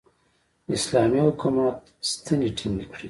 اسلامي حکومت ستنې ټینګې کړې.